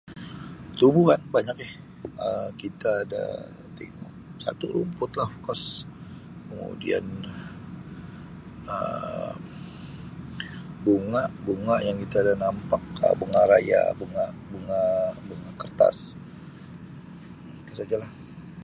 "Tumbuhan banyak Um kita ada tengok satu rumput lah ""of course"". Kemudian Um bunga, bunga yang kita nampak bunga Raya, bunga-bunga bunga Kertas Um tu sajalah. "